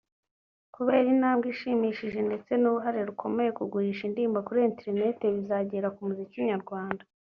Kubera intambwe ishimishije ndetse n’uruhare rukomeye kugurisha indirimbo kuri Internet bizagira ku muziki nyarwanda